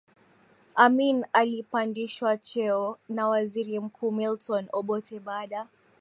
Amin alipandishwa cheo na waziri mkuu Milton Obote baada